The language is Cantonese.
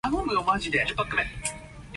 李家超你呢個仆街